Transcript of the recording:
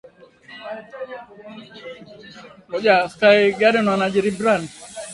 Idara ya Huduma ya Afya ya Mifugo kwa ushirikiano na mashirika ya kimaendeleo